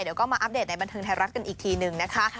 เดี๋ยวก็มาอัปเดตในบันเทิงไทยรัฐกันอีกทีนึงนะคะ